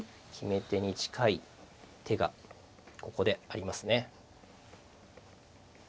決め手に近い手がここでありますね。